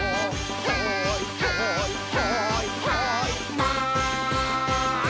「はいはいはいはいマン」